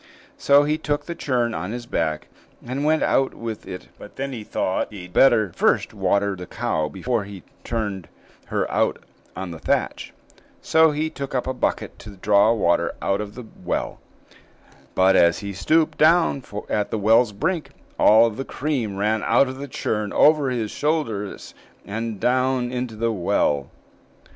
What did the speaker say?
So he took the churn on his back, and went out with it; but then he thought he'd better first water the cow before he turned her out on the thatch; so he took up a bucket to draw water out of the well; but, as he stooped down at the well's brink, all the cream ran out of the churn over his shoulders, and so down into the well.